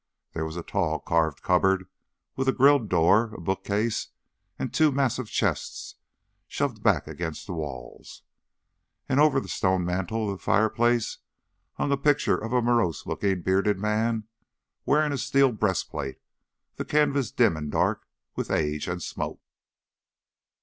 There was a tall carved cupboard with a grilled door, a bookcase, and two massive chests shoved back against the walls. And over the stone mantel of the fireplace hung a picture of a morose looking, bearded man wearing a steel breastplate, the canvas dim and dark with age and smoke.